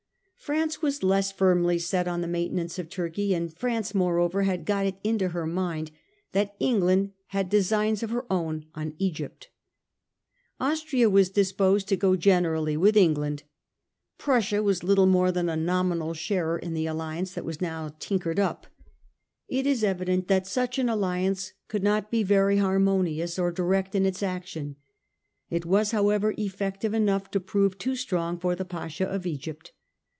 France was less firmly set on the maintenance of Turkey ; and France, moreover, had got it into her mind that England had designs of her own on Egypt. Austria was disposed to go generally with England ; Prussia was little more than a nominal sharer in the alliance that was now tinkered up. It is evident that such an alliance could not be very harmonious or direct in its action. It was, however, effective enough to prove too strong for the Pasha of Egypt.